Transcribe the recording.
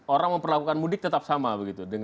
orang memperlakukan mudik tetap sama begitu